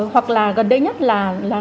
hoặc là gần đây nhất là